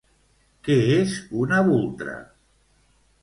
Què és una "bultra"?